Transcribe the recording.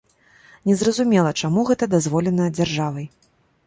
Незразумела, чаму гэта дазволена дзяржавай.